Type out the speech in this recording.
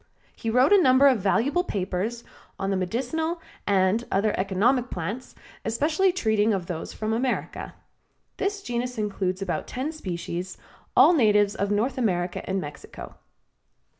He wrote a number of valuable papers on the medicinal and other economic plants, especially treating of those from America. This genus includes about ten species, all natives of North America and Mexico.